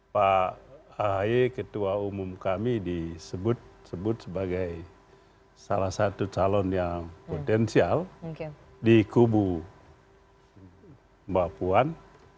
pak ahy ketua umum kami disebut sebagai salah satu calon yang potensial di kubu mbak puan